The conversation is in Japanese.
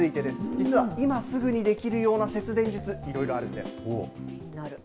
実は今すぐにできるような節電術、いろいろあるんです。